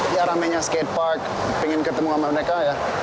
ya ramainya skatepark pengen ketemu sama mereka ya